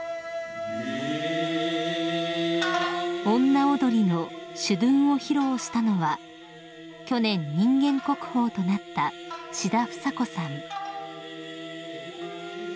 ［女踊りの『諸屯』を披露したのは去年人間国宝となった志田房子さん］